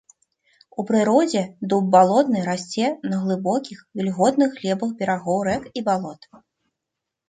У прыродзе дуб балотны расце на глыбокіх, вільготных глебах берагоў рэк і балот.